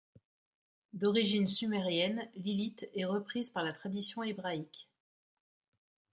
D'origine sumérienne, Lilith est reprise par la tradition hébraïque.